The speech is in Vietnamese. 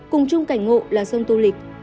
cùng chung cảnh ngộ là sông tô lịch